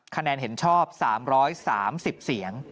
คะแนนเห็นชอบ๓๓๐เสียง